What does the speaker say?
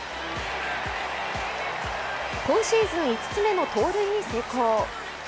今シーズン５つ目の盗塁に成功。